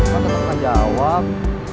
kamu tetep gak jawab